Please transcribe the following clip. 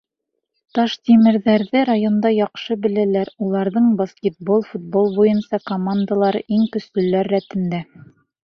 Таштимерҙәрҙе районда яҡшы беләләр, уларҙың баскетбол, футбол буйынса командалары — иң көслөләр рәтендә.